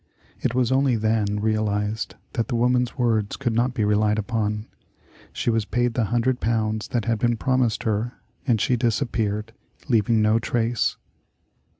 It was only then realized that the woman's words could not be relied upon. She was paid the hundred pounds that had been promised her, and she disappeared, leaving no trace.